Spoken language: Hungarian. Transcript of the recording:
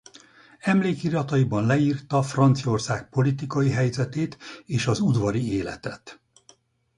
Emlékirataiban leírta Franciaország politikai helyzetét és az udvari életet.